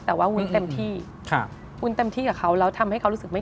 เต็มให้เขารู้สึกว่า